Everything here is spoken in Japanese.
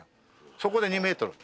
そこで２メートル。